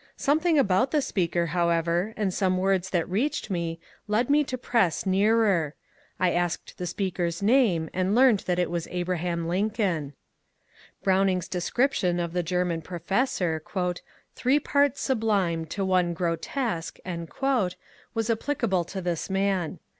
Something about the speaker, however, and some words that reached me, led me to press nearer. I asked the speaker's name and learned that it was Abraham Lincoln. Browning's description of the German professor, " Three parts sublime to one grotesque," was applicable to this man.